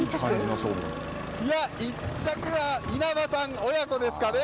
１着は稲葉さん親子ですかね。